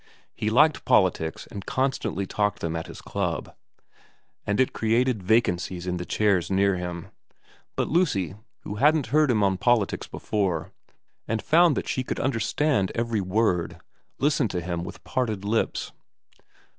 He liked politics and constantly talked them at his club, and it created vacancies in the chairs near him. But Lucy, who hadn't heard him on politics before and found that she I 114 VERA XI could understand every word, listened to him with parted lips.